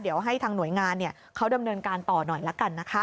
เดี๋ยวให้ทางหน่วยงานเขาดำเนินการต่อหน่อยละกันนะคะ